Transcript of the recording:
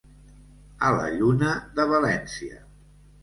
A la lluna de València.